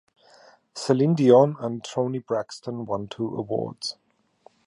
Celine Dion and Toni Braxton won two awards.